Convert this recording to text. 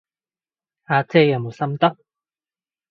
阿姐有冇心得？